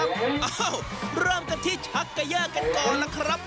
เอ้าเริ่มกันที่ชักเกยอร์กันก่อนล่ะครับ